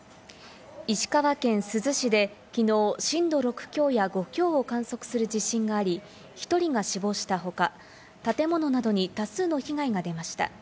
石川県珠洲市で昨日、震度６強や５強を観測する地震があり、１人が死亡したしたほか、建物などに多数の被害が出ました。